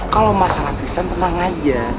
kalau masalah kristen tenang aja